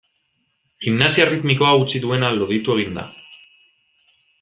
Gimnasia erritmikoa utzi duena loditu egin da.